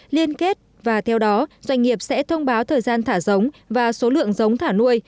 liên kết và theo đó doanh nghiệp sẽ thông báo thời gian thả giống và số lượng giống thả nuôi